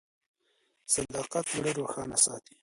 صداقت زړه روښانه ساتي.